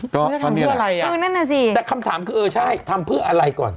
ก็นี่แหละคือนั่นแหละสิแต่คำถามคือเออใช่ทำเพื่ออะไรก่อน